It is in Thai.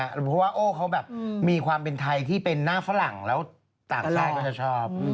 เพราะว่าโอ้เขาแบบมีความเป็นไทยที่เป็นหน้าฝรั่งแล้วต่างชาติก็จะชอบ